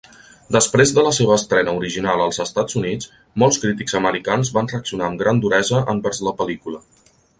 Després de la seva estrena original als Estats Units, molts crítics americans van reaccionar amb gran duresa envers la pel·lícula.